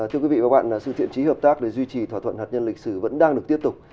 thưa quý vị và các bạn sự thiện trí hợp tác để duy trì thỏa thuận hạt nhân lịch sử vẫn đang được tiếp tục